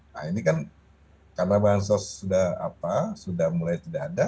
nah ini kan karena bahan sos sudah mulai tidak ada